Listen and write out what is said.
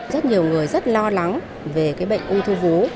rất nhiều người rất lo lắng về cái bệnh ung thư vú